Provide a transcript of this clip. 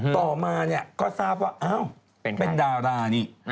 ต่อมาก็ทราบว่าเป็นดารานี่